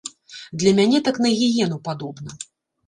Для мяне так на гіену падобна.